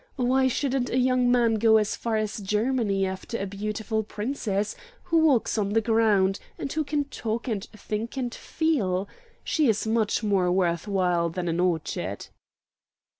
Why shouldn't a young man go as far as Germany after a beautiful Princess, who walks on the ground, and who can talk and think and feel? She is much more worth while than an orchid."